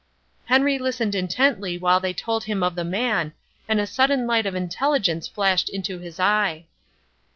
Henry listened intently while they told him of the man, and a sudden light of intelligence flashed into his eye.